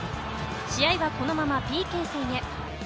試合はこのままＰＫ戦へ。